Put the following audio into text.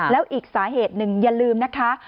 แล้วอีกสาเหตุหนึ่งอย่าลืมนะคะ